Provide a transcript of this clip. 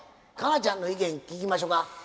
佳奈ちゃんの意見聞きましょか。